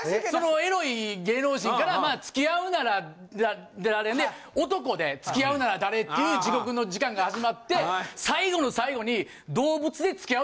そのエロい芸能人からまあ付き合うなら男で付き合うなら誰？っていう地獄の時間が始まって最後の最後に。